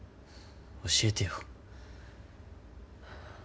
教えてよ。